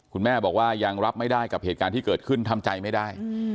คุณแม่บอกว่ายังรับไม่ได้กับเหตุการณ์ที่เกิดขึ้นทำใจไม่ได้